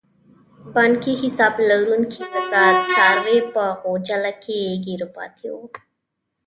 بانکي حساب لرونکي لکه څاروي په غوچله کې ګیر پاتې وو.